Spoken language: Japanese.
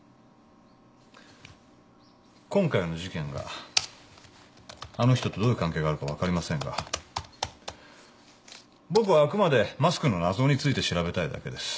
今回の事件があの人とどういう関係があるか分かりませんが僕はあくまでマスクの謎について調べたいだけです。